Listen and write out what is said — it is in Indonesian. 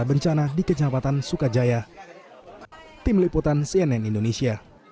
presiden jokowi juga menyampaikan turut berduka cita bagi korban tanah longsor yang ditumpangi